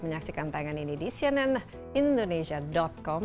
menaksikan tangan ini di cnnindonesia com